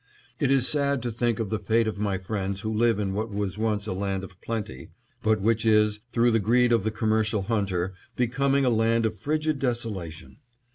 It is sad to think of the fate of my friends who live in what was once a land of plenty, but which is, through the greed of the commercial hunter, becoming a land of frigid desolation.